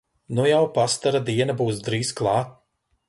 Nu jau pastara diena būs drīz klāt!